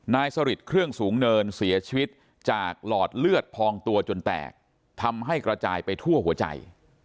สริทเครื่องสูงเนินเสียชีวิตจากหลอดเลือดพองตัวจนแตกทำให้กระจายไปทั่วหัวใจ